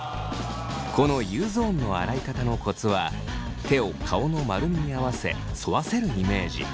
このＵゾーンの洗い方のコツは手を顔の丸みに合わせ沿わせるイメージ。